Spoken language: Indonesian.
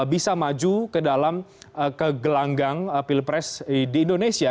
bisa maju ke dalam ke gelanggang pilpres di indonesia